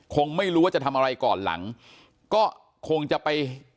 คงไม่รู้ว่าจะทำอะไรก่อนหลังก็คงจะไป